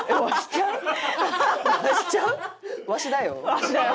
「わしだよ」？